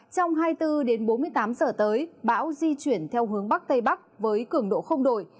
trong hai mươi bốn đến bốn mươi tám giờ tới bão di chuyển theo hướng bắc tây bắc với cường độ không đổi